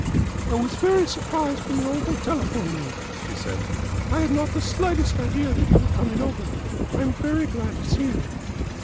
"I was very surprised when your uncle telephoned me," she said. "I had not the slightest idea that you were coming over. I am very glad to see you."